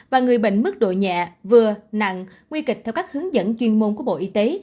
và người bệnh mức độ nhẹ vừa nặng nguy kịch theo các hướng dẫn chuyên môn của bộ y tế